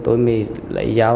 tôi mới lấy dao